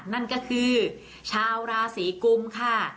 นั่นก็คือชาวราศีกุมค่ะ